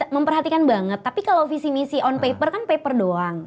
memperhatikan banget tapi kalau visi misi on paper kan paper doang